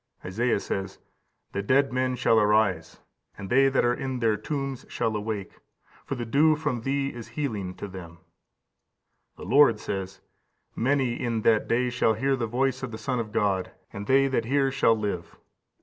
Esaias says, "The dead men shall arise, and they that are in their tombs shall awake; for the dew from thee is healing to them."15551555 Isa. xxvi. 19. The Lord says, "Many in that day shall hear the voice of the Son of God, and they that hear shall live."